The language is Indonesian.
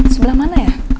sebelah mana ya